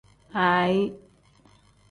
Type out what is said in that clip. Aayi.